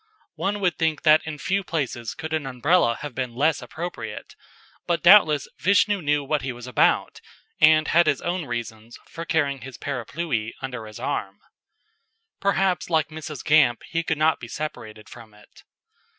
One would think that in few places could an Umbrella have been less appropriate, but doubtless Vishnu knew what he was about, and had his own reasons for carrying his Parapluie under his arm. Perhaps like Mrs. Gamp he could not be separated from it.